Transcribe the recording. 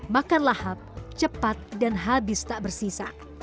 makan lahap cepat dan habis tak bersisa